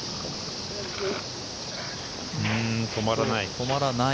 止まらない。